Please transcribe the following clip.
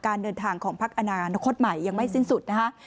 การเดินทางของพักอนาคตใหม่ยังไม่สิ้นสุดนะคะ